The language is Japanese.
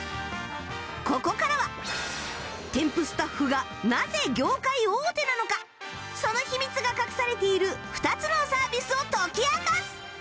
ここからはテンプスタッフがなぜ業界大手なのかその秘密が隠されている２つのサービスを解き明かす